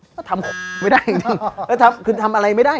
ก็ทำไม่ได้จริงแล้วคือทำอะไรไม่ได้